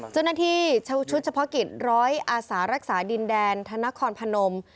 จงละที่ชุดเฉพาะกิจร้อยอาสารกสารหลักษาดินแดนธนครพนม